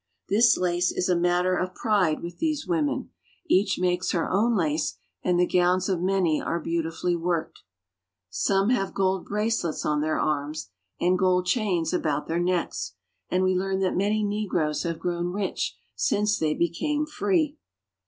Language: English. This lace is a matter of pride with these women. Each makes her own laCe, and the gowns of many are beautifully worked. Some have gold bracelets on their arms and gold chains BAHIA. 287 about their necks, and we learn that many negroes have grown rich since they became free.